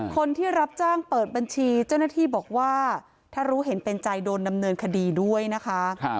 คนที่รับจ้างเปิดบัญชีเจ้าหน้าที่บอกว่าถ้ารู้เห็นเป็นใจโดนดำเนินคดีด้วยนะคะ